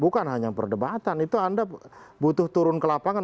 bukan hanya perdebatan itu anda butuh turun ke lapangan